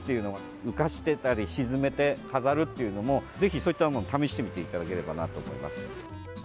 浮かしてたり沈めて飾るっていうのもぜひ、そういったものも試してみていただければなと思います。